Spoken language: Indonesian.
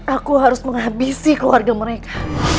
aku harus menghabisi keluarga mereka